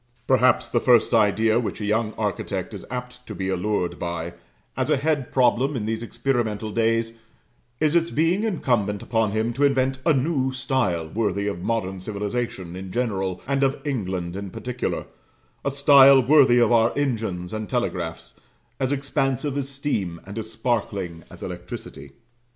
Perhaps the first idea which a young architect is apt to be allured by, as a head problem in these experimental days, is its being incumbent upon him to invent a "new style" worthy of modern civilization in general, and of England in particular; a style worthy of our engines and telegraphs; as expansive as steam, and as sparkling as electricity.